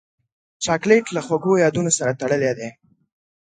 چاکلېټ له خوږو یادونو سره تړلی دی.